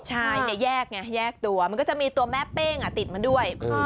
ใช่แยกไงแยกตัวมันก็จะมีตัวแม่เป้งติดมาด้วย